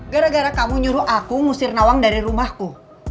gara gara kamu nyuruh aku ngusir nawang dari rumahku